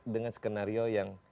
dengan skenario yang kita miliki